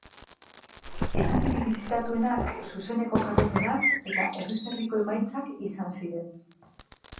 Edukirik bisitatuenak zuzeneko jarraipenak eta herriz-herriko emaitzak izan ziren.